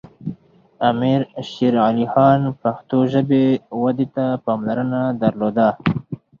امیر شیر علی خان پښتو ژبې ودې ته پاملرنه درلوده.